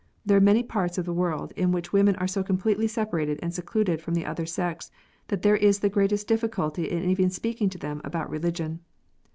There are many parts of the world in which women are so completely separated and secluded from the other sex, that there is the greatest difficulty in even speaking to them about religion.